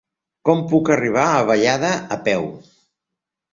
Com puc arribar a Vallada a peu?